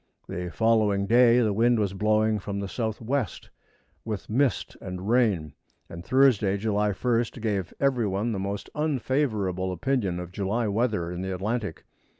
The following day the wind was blowing from the southwest, with mist and rain, and Thursday, July 1st, gave every one the most unfavorable opinion of July weather in the Atlantic.